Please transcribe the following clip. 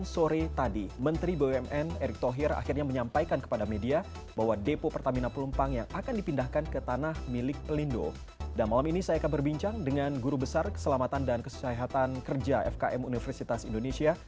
malam ini saya akan berbincang dengan guru besar keselamatan dan kesehatan kerja fkm universitas indonesia